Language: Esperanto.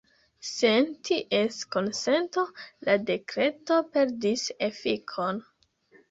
Sen ties konsento la dekreto perdis efikon.